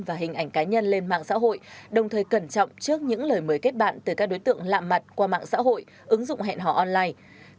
và hình ảnh cá nhân lên mạng xã hội đồng thời cẩn trọng trước những lời mời kết bạn từ các đối tượng lạ mặt qua mạng xã hội ứng dụng hẹn hò online